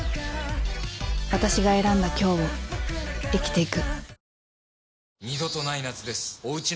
私が選んだ今日を生きていく。